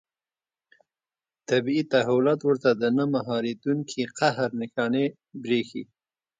طبیعي تحولات ورته د نه مهارېدونکي قهر نښانې برېښي.